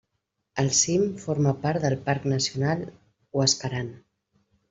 El cim forma part del Parc Nacional Huascarán.